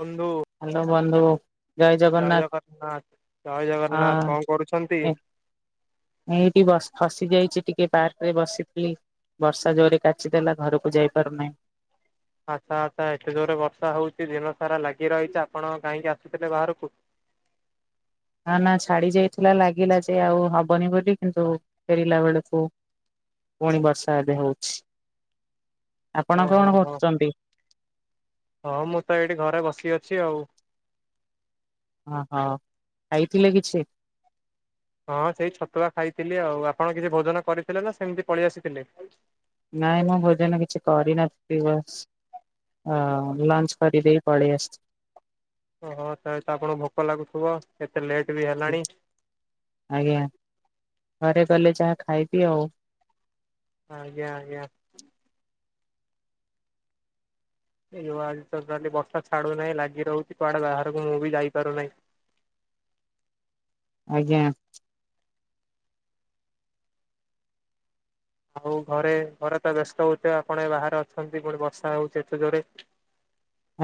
ବନ୍ଧୁ ହ୍ୟାଲୋ ବନ୍ଧୁ ଜୟ ଜଗନ୍ନାଥ ଜୟ ଜଗନ୍ନାଥ ହଁ କଣ କରୁଛନ୍ତି? ମୁଁ ଏଠି ବ ଫସି ଯାଇଛି ଟିକେ ପାର୍କ ରେ ବସିଥିଲି। ବର୍ଷା ଜୋରେ କାଚି ଦେଲା ଘରକୁ ଯାଇପାରୁନାହିଁ। ଆଚ୍ଛା ଆଚ୍ଛା ଏତେ ଜୋରରେ ବର୍ଷା ହଉଛି ଦିନ ସାରା ଲାଗି ରହିଛି ଆପଣ କାହିଁକି ଆସୁଥିଲେ ବାହାରକୁ? ନା ନା ଛାଡି ଯାଇଥିଲା ଲାଗିଲା ଯେ ଆଉ ହବନି ବୋଲି କିନ୍ତୁ ଫେରିଲା ବେଳକୁ ପୁଣି ବର୍ଷା ଏବେ ହଉଛି ଆପଣ ଓହୋ କଣ ହୋ କରୁଛନ୍ତି? ହଁ ମୁଁ ତ ଏଇଠି ଘରେ ବସି ଅଛି ଆଉ। ଓହୋ ଖାଇଥିଲେ କିଛି? ହଁ ସେଇ ଛତୁଆ ଖାଇଥିଲି ଆଉ ଆପଣ କିଛି ଭୋଜନ କରିଥିଲେ ନା ସେମିତି ପଳେଇ ଆସିଥିଲେ। ନାଇଁ ମୁଁ ଭୋଜନ କିଛି କରିନଥିଲି ବାସ ଅ ଲଞ୍ଚ୍ କରିଦେଇକି ପଳେଇ ଆସିଛି। ଓହୋ ତେବେ ତ ଆପଣଙ୍କୁ ଭୋକ ଲାଗୁଥିବ ଏତେ ଲେଟ୍ ବି ହେଲାଣି। ଆଜ୍ଞା ଘରେ ଗଲେ ଯାହା ଖାଇବି ଆଉ। ଆଜ୍ଞା ଆଜ୍ଞା। ଏଇ ଆଜିତ ଖାଲି ବର୍ଷା ଛାଡୁ ନାହିଁ ଲାଗି ରହୁଛି କୁଆଡେ ବାହାରକୁ ମୁଁ ବି ଯାଇପାରୁନାହିଁ। ଆଜ୍ଞା। ଆଉ ଘରେ ଘରେ ତ ବ୍ୟସ୍ତ ହଉଥିବେ ଆପଣ ଏ ବାହାରେ ଅଛନ୍ତି ପୁଣି ବର୍ଷା ହଉଚି ଏତେ ଜୋରେ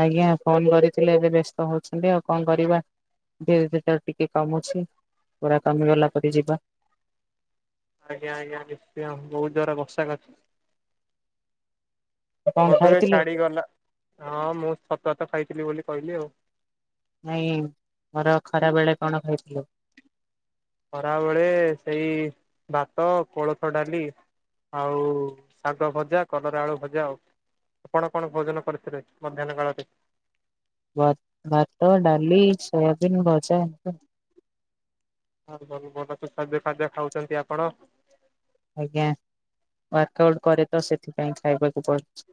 ଆଜ୍ଞା ଫୋନ କରିଥିଲେ ଏବେ ବେସ୍ତ ହଉଛନ୍ତି ଆଉ କଣ କରିବା। ଧୀରେ ଧୀରେ ତାର ଟିକେ କମୁଛି ପୁରା କମିଗଲା ପରେ ଯିବା। ଆଜ୍ଞା ଆଜ୍ଞା ନିଶ୍ଚୟ ବହୁତ ଜୋରେ ବର୍ଷା କାଚୁଚି। କଣ ବଧକ ଖାଇଥିଲେ ଛାଡିଗଲା ହଁ ମୁଁ ସତ ହାତ ଖାଇଥିଲି ବୋଲି କହିଲି ଆଉ ନାଇଁ ମୋର ଖରା ବେଳେ କଣ କହିଥିଲୁ? ଖରାବେଳେ ସେଇ ଭାତ କୋଳଥ ଡାଲି ଆଉ ଶାଗ ଭଜା କଲରା ଆଳୁ ଭଜା ଆଉ ଆପଣ କଣ ଭୋଜନ କରିିଥିଲେ ମଧ୍ୟାହ୍ନ କାଳରେ? ଭ ଭାତ ଡାଲି ସୋୟାବିନ ଭଜା। ହଁ ଭ ଭଲ ଖାଦ୍ୟ ଖାଦ୍ୟ ଖାଉଛନ୍ତି ଆପଣ। ଆଜ୍ଞା ୱାର୍କ ଆଉଟ୍ କରେ ତ ସେଥିପାଇଁ ଖାଇବାକୁ ପଡୁଛି।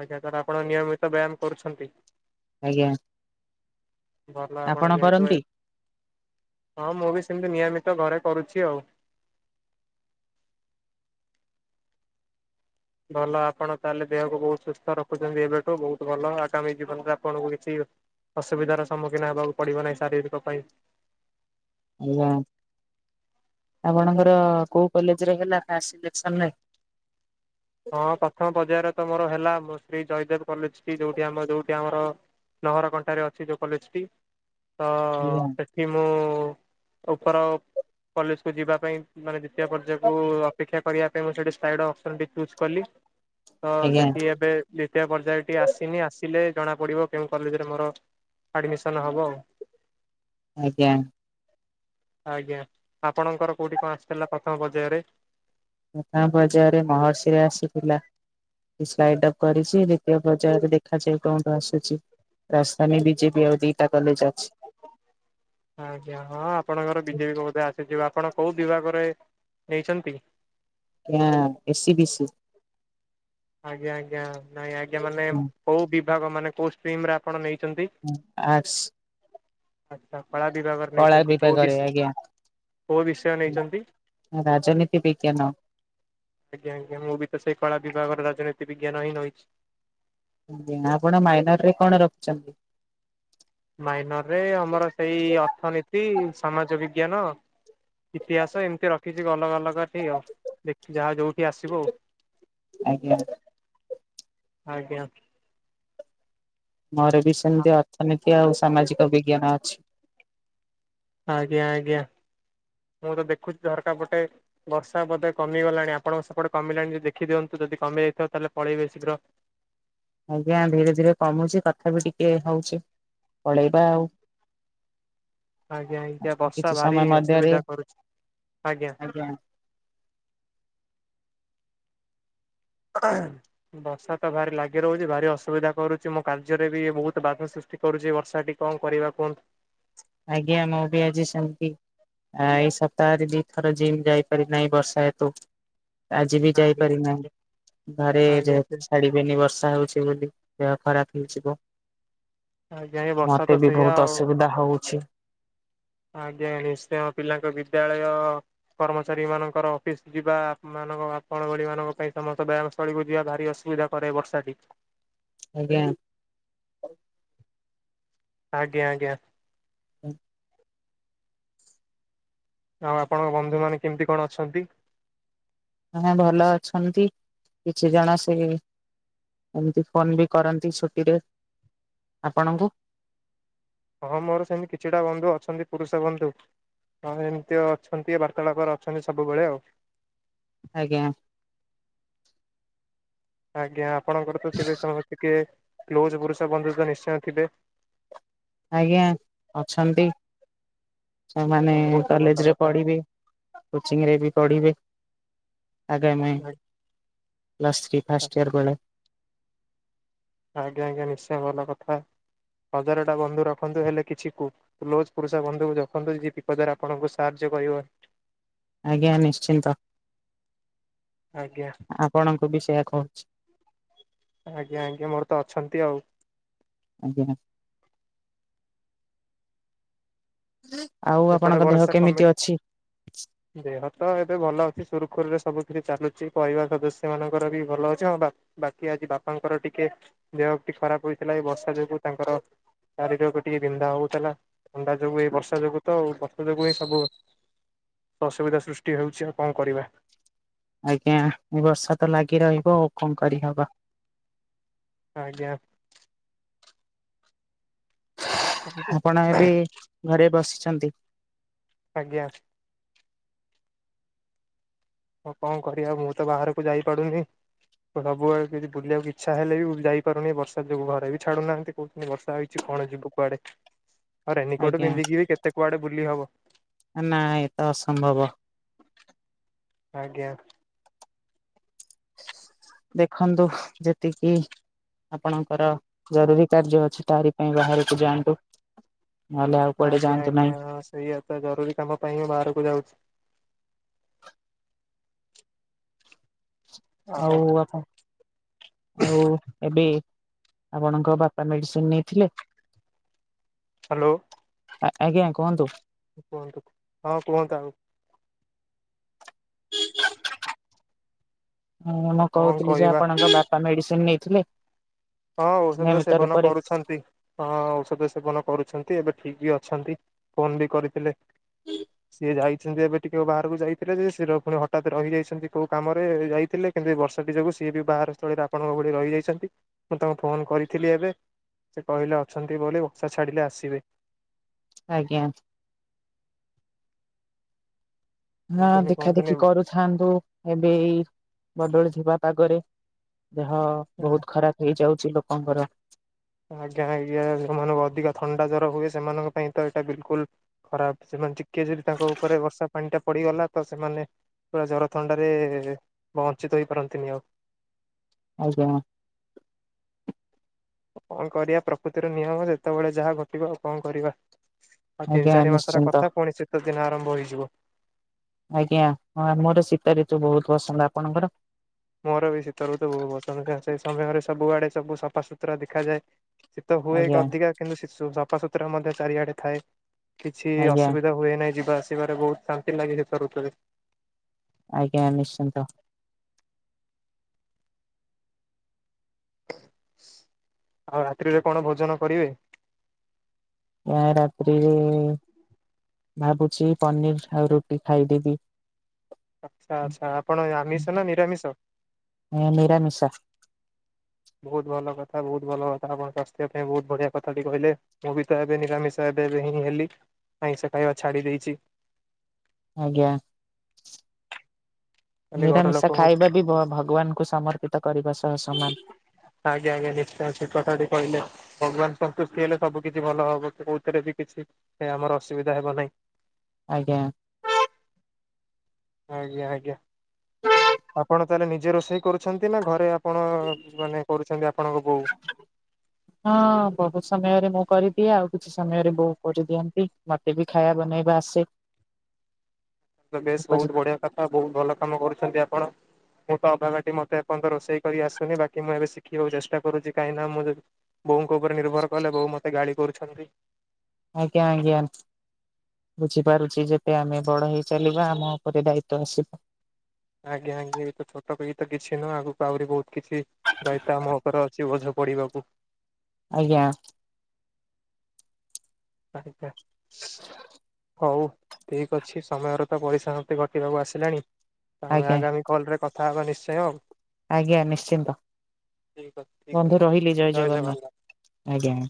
ଆଜ୍ଞା ସାର୍ ଆପଣ ନିୟମିତ ବ୍ୟାୟାମ କରୁଛନ୍ତି? ଆଜ୍ଞା ଭଲ ଆପଣ ଯେହେତୁ କରନ୍ତି? ହଁ ମୁଁ ବି ସେମିତି ନିୟମିତ ଘରେ କରୁଛି ଆଉ। ଭଲ ଆପଣ ତାହେଲେ ଦେହକୁ ବହୁତ ସୁସ୍ଥ ରଖୁଛନ୍ତି ଏବେଠୁ ବହୁତ ଭଲ ଆଗାମୀ ଜୀବନରେ ଆପଣଙ୍କୁ କିଛି ଅସୁବିଧାର ସମ୍ମୁଖୀନ ହେବାକୁ ପଡିବ ନାହିଁ ଶାରୀରିକ ପାଇଁ। ଆଜ୍ଞା ଆପଣଙ୍କର କୋଉ କଲେଜରେ ହେଲା ଫାଷ୍ଟ ସିଲେକ୍ସନରେ? ହଁ ପ୍ରଥମ ପର୍ଯ୍ୟାୟରେ ତ ମୋର ହେଲା ମୁଁ ଶ୍ରୀ ଜୟଦେବ କଲେଜ ଯୋଉଠି ଆମର ଯୋଉଠି ଆମର ଲହର କଣ୍ଟାରେ ଅଛି ଯୋଉ କଲେଜ ଟି ତ ଆଜ୍ଞା ସେ କି ମୋ ଉପର କଲେଜ କୁ ଯିବା ପାଇଁ ମାନେ ଦ୍ୱିତୀୟ ପର୍ଯ୍ୟାୟକୁ ଅପେକ୍ଷା କରିବା ପାଇଁ ମୁଁ ସେଠି ସ୍ଲାଇଡ ଅପ୍ସନ୍ ଚୁଜ କଲି ତ ଆଜ୍ଞା ସେଠି ଏବେ ଦ୍ୱିତୀୟ ପର୍ଯ୍ୟାୟ ଟି ଆସିନି ଆସିଲେ ଜଣା ପଡିବ କେଉଁ କଲେଜରେ ମୋର ଆଡମିସନ ହବ ଆଉ। ଆଜ୍ଞା। ଆଜ୍ଞା ଆପଣଙ୍କର କୋଉଠି କଣ ଆସିଥିଲା ପ୍ରଥମ ପର୍ଯ୍ୟାୟରେ? ପ୍ର ପର୍ଯ୍ୟାୟରେ ମହର୍ଷିରେ ଆସିଥିଲା। ସ୍ଲାଇଡ ଅପ୍ କରିଛି ଦ୍ୱିତୀୟ ପର୍ଯ୍ୟାୟରେ ଦେଖାଯାଉ କୋଉଠୁ ଆସୁଛି? ରାଜଧାନୀ ବିଜେପି ଆଉ ଦିଟା କଲେଜ ଅଛି। ଆଜ୍ଞା ହଁ ଆପଣଙ୍କର ବିଜେପି ବଧେ ଆସିଯିବ ଆପଣ କେଉଁ ବିଭାଗରେ ନେଇଛନ୍ତି? A A C B C. ଆଜ୍ଞା ଆଜ୍ଞା ନାଇଁ ଆଜ୍ଞା ମାନେ କେଉଁ ବିଭାଗ ମାନେ କେଉଁ ଷ୍ଟ୍ରିମରେ ଆପଣ ନେଇଛନ୍ତି? ହଁ ଆର୍ଟସ। ଆଚ୍ଛା କଳା ବିଭାଗ। କଳା ନେଇଛନ୍ତି କୋଉ ବିଭାଗରେ ବିଷ ଆଜ୍ଞା। କୋଉ ବିଷୟ ହୁଁ ନେଇଛନ୍ତି? ରାଜନୀତି ବିଜ୍ଞାନ ଆଜ୍ଞା ଆଜ୍ଞା ମୁଁ ବି ତ ସେଇ କଳା ବିଭାଗର ରାଜନୀତି ବିଜ୍ଞାନ ହିଁ ରହିଛି। ଆଜ୍ଞା ଆପଣ ମାଇନର ରେ କଣ ରଖିଛନ୍ତି? ମାଇନର ରେ ଆମର ସେଇ ଅର୍ଥନୀତି ସମାଜ ବିଜ୍ଞାନ ଇତିହାସ ଏମିତି ରଖିଛି କି ଅଲଗା ଅଲଗା ଠିକ ଆଉ। ଦେଖି ଯାହା ଯୋଉଠି ଆସିବ ଆଉ। ଆଜ୍ଞା। ଆଜ୍ଞା। ମୋର ବି ସେମିତି ଅର୍ଥନୀତି ଆଉ ସାମାଜିକ ବିଜ୍ଞାନ ଅଛି। ଆଜ୍ଞା ଆଜ୍ଞା ମୁଁ ତ ଦେଖୁଛି ଝରକା ପଟେ। ବର୍ଷା ବୋଧେ କମିଗଲାଣି ଆପଣଙ୍କ ସେପଟେ କମିଲାଣିଦ ଦେଖି ଦିଅନ୍ତୁ ଯଦିମ ଯାଇଥାିବ ତାହେଲେ ପଳେଇବେ ଶୀଘ୍ର। ଆଜ୍ଞା ଧୀରେ ଧୀରେ କମୁଛି କଥା ବି ଟିକେ ହଉଛି ପଳେଇବା ଆଉ। ଆଜ୍ଞା ଆଜ୍ଞା ବର୍ଷା କିଛି ଭାରି ସମୟ ମଧ୍ୟରେ ଅସୁବିଧା କରୁଛି। ଆଜ୍ଞା। ବର୍ଷା ତ ଭାରି ଲାଗି ରହୁଛି ଭାରି ଅସୁବିଧା କରୁଛି ମୋ କାର୍ଯ୍ୟରେ ବି ବହୁତ ବାଧା ସୃଷ୍। କରୁଛି ବର୍ଷାଟି କଣ କରିବା କୁହନ୍ତୁ। ଆଜ୍ଞା ମୁଁ ବି ଆଜି ସେମିତି। ଆ ଏଇ ସପ୍ତାହରେ ବି ଥର ଜିମ୍ ଯାଇପାରି ନାହିଁ ବର୍ଷା ହେତୁ। ଆଜି ବି ଯାଇପାରି ନାହିଁ ଘରେ ଆଜ୍ଞା ସେ ଯେହେତ ଛାଡିବେନି ବର୍ଷା ହଉଛି। ବୋଲି ଦେହ ଖରାପ ହେଇଯିବ ଆଜ୍ଞା ଏ ବର୍ଷା ତ ମତେ ବି ସେଇଆ ବହୁତ ଆଉ ଅସୁବିଧା ହଉ। [inaudible] ଆଜ୍ଞା ନିଶ୍ଚୟ ପିଲାଙ୍କ ବିଦ୍ୟାଳୟ କର୍ମଚାରୀ ମାନଙ୍କର ଅଫିସ୍ ଯିବା ମାନଙ୍କ ଆପଣ ଭଳି ମାନଙ୍କ ପାଇଁ ସମସ୍ତ ବ୍ୟାୟାମ। ତଳିକୁ ଯିବା ଭାରି ଅସୁବିଧା କରେ ବର୍ଷାଟି। ଆଜ୍ଞା। ଆଜ୍ଞା ଆଜ୍ଞା। [unintelligible] ଆଉ ଆପଣଙ୍କ ବନ୍ଧୁମାନେ କେମିତି କଣ ଅଛନ୍ତି। ସେମାନେ ଭଲ ଅଛନ୍ତି କିଛି ଜଣ ସେଇ ଏମିତି ଫୋନ୍ ବି କରନ୍ତି ଛୁଟିରେ ଆପଣଙ୍କୁ। ହଁ ମୋର ସେମିତି କିଛିଟା ବନ୍ଧୁ ଅଛନ୍ତି ପୁରୁଷ ବନ୍ଧୁ। ହଁ ଏମ୍ତି ଅଛନ୍ତି ବାର୍ତ୍ତାଳାପରେ ଅଛନ୍ତି ସବୁବେଳେ ଆଉ। ଆଜ୍ଞା। ଆଜ୍ଞା ଆପଣଙ୍କର ତ ଥିବେ ସମସ୍ତେ ଟିକେ କ୍ଲୋଜ ପୁରୁଷ ବନ୍ଧୁ ନିଶ୍ଚୟ ଥିବେ। ଆଜ୍ଞା ଅଛନ୍ତି ସେମାନେ ହଁ ବହୁତ ଭଲ କଲେଜ୍ରେ କଥା। ପଢ଼ିବେ। କୋଚିଂ ରେ ବି ପଢିବେ ଆଗାମୀ ପ୍ଲସ୍ ଥ୍ରୀ ଫାଷ୍ଟ୍ ୟର୍ କଲେ। ଆଜ୍ଞା ଆଜ୍ଞା ନିଶ୍ଚୟ ଭଲ କଥା ହଜାର ଟା ବନ୍ଧୁ ରଖନ୍ତୁ ହେଲେ କିଛି କୁ କ୍ଲୋଜ୍ ପୁରୁଷ ବନ୍ଧୁ ରଖନ୍ତୁ ଯେ ବିପଦରେ ଆପଣଙ୍କୁ ସାହାଯ୍ୟ କରିବ। ଆଜ୍ଞା ନିଶ୍ଚିନ୍ତ ଆଜ୍ଞା ଆପଣଙ୍କୁ ବି ସେୟା କହୁଚି। ଆଜ୍ଞା ଆଜ୍ଞା ମୋର ତ ଅଛନ୍ତି ଆଉ। ଆଜ୍ଞା। [inaudible] ଆଉ ସେପଟେ ଆପଣଙ୍କ ଦେହ ଭରସା କମି କେମିତି ଅଛି। ଦେହ ତ ଏବେ ଭଲ ଅଛି ସୁରୁଖୁରୁରେ ସବୁ କିଛି ଚାଲୁଛି ପରିବାର ସଦସ୍ୟ ମାନଙ୍କର ବି ଭଲ ଅଛି ହଁ ବା ବାକି ଆଜି ବାପାଙ୍କର ଟିକେ ଦେହ ଟି ଖରାପ୍ ହେଇଥିଲା ଏ ବର୍ଷା ଯୋଗୁ ତାଙ୍କର ଚାରି ଯୋଗୁ ଟିକେ ବିନ୍ଧା ହୋଉଥିଲା ଥଣ୍ଡା ଯୋଗୁ ଏ ବର୍ଷା ଯୋଗୁ। ତ ବର୍ଷା ଯୋଗୁ ହିଁ ସବୁ ଅସୁବିଧା ସୃଷ୍ଟି ହଉଛି ଆଉ କଣ କରିବା। ଆଜ୍ଞା ଏ ବର୍ଷା ତ ଲାଗି ରହିବ ଆଉ କଣ କରିହବ। ଆଜ୍ଞା। [inaudible] ଆପଣ ଏବେ ଘରେ ବସିଛନ୍ତି। ଆଜ୍ଞା। ହଁ କଣ କରିବା ମୁଁ ତ ବାହାରକୁ ଯାଇ ପାରୁନି। ସବୁବେଳେ କିଛି ବୁଲିବାକୁ ଇଚ୍ଛା ହେଲେ ବି ଯାଇପାରୁନି ବର୍ଷା ଯୋଗୁ ଘରେ ବି ଛାଡୁନାହାନ୍ତି। କହୁଚନ୍ତି ବର୍ଷା ହେଇଛି କଣ ଯିବୁ କୁଆଡେ। [inaudible] ଆଉ ରେନିକୋଟ୍ ଆଜ୍ଞା ପିନ୍ଧିକି ବି କେତେ କୁଆଡେ ବୁଲି ହବ। ନା ଇଏତ ଅସମ୍ଭବ। ଆଜ୍ଞା! ଦେଖନ୍ତୁ ଯେତିକି ଆପଣଙ୍କର ଜରୁରୀ କାର୍ଯ୍ୟ ଅଛି। ତାରି ପାଇଁ ବାହାରକୁ ଯାଆନ୍ତୁ। ନହେଲେ ଆଉୁକୁଆଡେ ଯାଆନ୍ତୁ ନାହିଁ। ସେୟା ତ ଜରୁରୀ କାମ ପାଇଁ ମୁଁ ବାହାରକୁ ଯାଉଛି। ଆଉ ଆଉ କଂ ଆଉ ଏବେ ଆପଣଙ୍କ ବାପା ମେଡିସିନ୍ ନେଇଥିଲେ। ହାଲୋ! ଆଜ୍ଞା କୁହନ୍ତୁ। କୁହନ୍ତୁ ହଁ କୁହନ୍ତୁ ଆଉ ମୁଁ ଆଉ କଣ କହୁଥିଲି ଯେ କହିବା ଆପଣଙ୍କ ବାପା ମେଡିସିନ୍ ନେଇଥିଲେ। ହଁ ଔଷଧ ତ ନିୟମିତ ସେବନ ରୂପରେ କରୁଛନ୍ତି। ହଁ ଔଷଧ ସେବନ କରୁଛନ୍ତି ଏବେ ଠିକ୍ ବି ଅଛନ୍ତି ଫୋନ୍ ବି କରିଥିଲେ। [inaudible] ସିଏ ଯାଇଛନ୍ତି ଏବେ ଟିକେ ବାହାରକୁ ଯାଇଥିଲେ ଯେ ସ ପୁଣି ହଠାତ ରହିଯାଇଛନ୍ତି କୋଉ କାମରେ। ଯାଇଥିଲେ କିନ୍ତୁ ବର୍ଷାଟି ଯୋଗୁ ସିଏ ବି ବାହାର ସ୍ଥଳରେ ଆପଣଙ୍କ ଭଳି ରହିଯାଇଛନ୍ତି। ମୁଁ ତାଙ୍କୁ ଫୋନ କରିଥିଲି ଏବେ ସେ କହିଲେ ଅଛନ୍ତି ବୋଲି। ବଷା ଛାଡ଼ିଲେ ଆସିବେ। ଆଜ୍ଞା। ମୁଁ କୁହନ୍ତୁନି ଦେଖା ଦେଖି କୁହନ୍ତୁନି କରୁଛି ଥାନ୍ତୁ ଏବେ ବଦଳି ଯିବା ପାଗରେ ଦେହ ବହୁତ ଖରାପ ହେଇଯାଉଛି ଲୋକଙ୍କର। ଆଜ୍ଞା ଆଜ୍ଞା ସେୋମାନଙ୍କୁ ଅଧିକ ଥଣ୍ଡା ଜ୍ର ହୁଏ ସେମାନଙ୍କ ପାଇଁ ତ ଏଇଟା ବିଲକୁଲ ଖରାପ ସେମାନେ ଟିକେ ଯଦି ତାଙ୍କ ଉପରେ ବର୍ଷା ପାଣି ଟା ପଡିଗଲା ତ ସେମାନେ ପୁରା ଜର ଥଣ୍ଡାରେ ବଞ୍ଚିତ ହେଇପାରନ୍ତିନି ଆଉ। ଆଜ୍ଞା। କଣ କରିବା ପ୍ରକୃତିର ନିୟମ ଯେତେବେଳେ ଯାହା ଘଟିବ ଆଉ କଣ କରିବା? ଆଉ ତିନି ଆଜ୍ଞା ଚାରି ମାସର ନିଶ୍ଚିନ୍ତ କଥା ପୁଣି ଶୀତ ଦିନ ଆରମ୍ଭ ହେଇଯିବ। ଆଜ୍ଞା ହଁ ମୋର ଶୀତ ଋତୁ ବହୁତ ପସନ୍ଦ ଆପଣଙ୍କର? ମୋର ବି ଶୀତରୁତ ବହୁତ ପସନ୍ଦ ସେ ସମୟରେ ସବୁଆଡେ ସବୁ ସଫା ସୁତୁରା ଦେଖାଯାଏ। ଶୀତ ହୁଏ କି ଆଜ୍ଞା ଅଧିକା। କିନ୍ତୁି ସଫାସୁତୁରା ମଧ୍ୟ ଚାରିଆଡେ ଥାଏ। କିଛି ଆଜ୍ଞା ଅସୁବିଧା ହୁଏ ନାହିଁ ଯିବା ଆସିବାରେ ବହୁତ ଶାନ୍ତି ଲାଗି ସେଇତ ଋତୁରେ। ଆଜ୍ଞା ନିଶ୍ଚିନ୍ତ। ଆଉ ରାତିରେ କଣ ଭୋଜନ କରିବେ? ରାତି ରେ ଭାବୁଛି ପନିର ଆଉ ରୁଟି ଖାଇଦେବି। ଆଚ୍ଛା ଆଚ୍ଛା ଆପଣ ଆମିଷ ନା ନିରାମିଷ? ମୁଁ ନିରାମିଷ। ବହୁତ ଭଲ କଥା ବହୁତ ଭଲ କଥା ଆପଣଙ୍କ ସ୍ୱାସ୍ଥ୍ୟ ପାଇଁ ବହୁତ ବଢିଆ କଥାଟି କହିଲେ। ମୁଁ ବି ତ ଏବେ ନିରାମିଷ ଏବେ ଏବେ ହିଁ ହେଲି ଆମିଷ ଖାଇବା ଛାଡ଼ିଦେଇଛି। ଆଜ୍ଞା ଖାଲି ଘର ନିରାମିଶା ଲୋକଙ୍କୁ ଖାଇବା ବି ଭଗବାନଙ୍କୁ ସମର୍ଥ କରିବା ସହ ସମାନ। ଆଜ୍ଞା ଆଜ୍ଞା ନିଶ୍ଚୟ ଠିକ୍ କଥା ଟି କହିଲେ। ଭଗବାନ ସନ୍ତୁଷ୍ଟି ହେଲେ ସବୁ କିଛି ଭଲ ହବ କଉଥିରେ ବି କିଛି ସେ ଆମର ଅସୁବିଧା ହେବ ନାହିଁ। ଆଜ୍ଞା। ଆଜ୍ଞା ଆଜ୍ଞା ଆପଣ ତାହେଲେ ନିଜେ ରୋଷେଇ କରୁଛନ୍ତି? ନା ଘରେ କଣ ମାନେ କରୁଛନ୍ତି ଆପଣଙ୍କ ବୋଉ? [inaudible] ହଁ ବହୁତ ସମୟରେ ମୁଁ କରିଦିଏ ଆଉ କିଛି ସମୟରେ ବୋଉ କରିଦିଅନ୍ତି ମତେ ବି ଖାଇବା ବନେଇବା ଆସେ। ବେଶ ବହୁତ ଉପଯୁକ୍ତ ବଢିଆ କଥା ବହୁତ ଭଲ କାମ କରୁଛନ୍ତି ଆପଣ। ମୁଁ ତ ଅଭା ଟି ମତେ ଏପର୍ଯ୍ୟ ରୋଷେଇ କରି ଆସୁନି ବାକି ମୁଁ ଏବେ ଶିଖିବାକୁ ଚେଷ୍ଟା କରୁଛି କାହିଁକି ନା ମୁଁ ଯଦି ବୋଉଙ୍କ ଉପରେ ନିର୍ଭର କଲେ ବୋଉ ମତେ ଗାଳି କରୁଛନ୍ତି। ଆଜ୍ଞା ଆଜ୍ଞା। ବୁଝିପାରୁଛି ଯେତେ ଆମେ ବଡ ହେଇ ଚାଲିବା ଆମ ଉପରେ ଦାୟିତ୍ଵ ଆସିବ। ଆଜ୍ଞା ଆଜ୍ଞ ଏ ତ ଛୋଟ ପକ ତ କିଛି ନୁହଁ ଆଗକୁ ଆହୁରି ବହୁତ କିଛି ଦାୟତ ଆମ ଉପରେ ଅଛି ବଝ ପଢିବାକୁ। ଆଜ୍ଞା। [unintelligible] ହଉ ଠିକ୍ ଅଛି ସମୟରେ ତ ପଇସମାପ୍ତି ଘଟିବାକୁ ଆସିଲାଣି ଆମେ ଆଜ୍ଞା ଆଗାମୀ କଲରେ କଥା ହେବା ନିଶ୍ଚୟ ଆଉ। ଆଜ୍ଞା ନିଶ୍ଚିନ୍ତ ଠିକ୍ ଅଛି ଠିକ୍ ବନ୍ଧୁ ଅଛି ରହିଲି ଜୟ ଜଗନ୍ନାଥ ଆଜ୍ଞା।